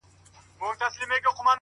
پوهه د انسان افق پراخوي؛